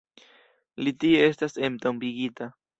Li tie estas entombigita.